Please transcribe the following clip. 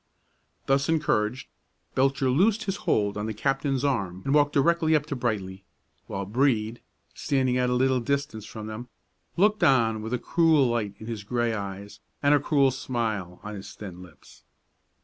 Thus encouraged, Belcher loosed his hold on the captain's arm and walked directly up to Brightly, while Brede, standing at a little distance from them, looked on with a cruel light in his gray eyes and a cruel smile on his thin lips.